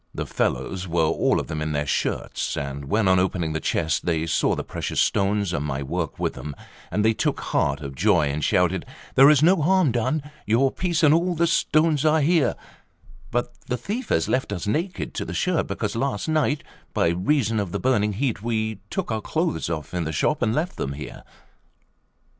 The fellow were all of them in their shirts; and when, on opening the chest, they saw the precious stones and my work with them, they took heart of joy and shouted: "There is no harm done; your piece and all the stones are here; but the thief has left us naked to the shirt, because last night, by reason of the burning heat, we took our clothes off in the shop and left them here."